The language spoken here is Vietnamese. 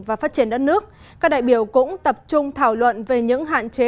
và phát triển đất nước các đại biểu cũng tập trung thảo luận về những hạn chế